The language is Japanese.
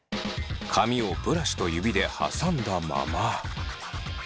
髪をブラシと指ではさんだまま。